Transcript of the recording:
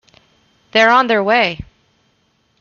They're on their way.